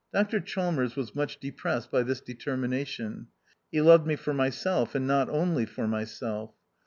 Dr Chalmers was much depressed by this determination ; he loved me for myself, and not only for myself.